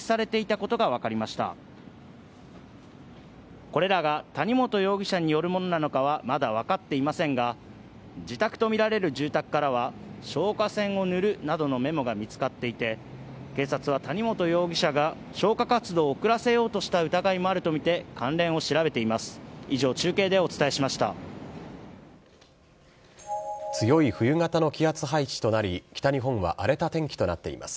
これらが谷本容疑者によるものなのかはまだ分かっていませんが、自宅と見られる住宅からは、消火栓を塗るなどのメモが見つかっていて、警察は谷本容疑者が消火活動を遅らせようとした疑いもあると見て関連を調べています。